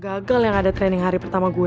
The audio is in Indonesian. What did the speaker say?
gagal yang ada training hari pertama gue